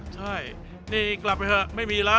ใช่นี่กลับไปเถอะไม่มีแล้ว